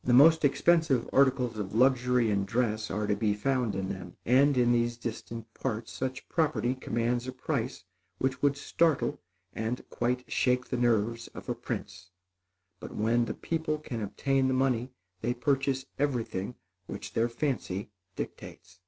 The most expensive articles of luxury and dress are to be found in them, and in these distant parts, such property commands a price which would startle and quite shake the nerves of a prince; but, when the people can obtain the money, they purchase everything which their fancy dictates.